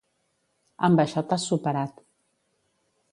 Amb això t'has superat.